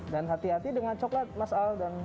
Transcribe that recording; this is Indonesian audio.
dan hati hati dengan coklat mas al